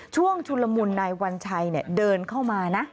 ชุนละมุนนายวัญชัยเดินเข้ามานะ